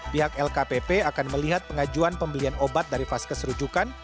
pihak lkpp akan melihat pengajuan pembelian obat dari vaskes rujukan